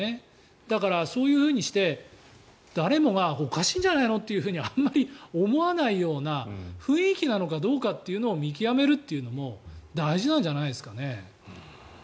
だから、そういうふうにして誰もがおかしいんじゃないの？というふうにあんまり思わないような雰囲気なのかどうかというのを見極めるというのも大事なんじゃないですかね。